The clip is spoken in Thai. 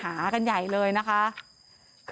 เพราะทนายอันนันชายเดชาบอกว่าจะเป็นการเอาคืนยังไง